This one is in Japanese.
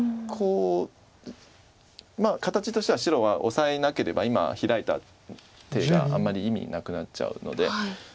こう形としては白はオサえなければ今ヒラいた手があんまり意味なくなっちゃうので。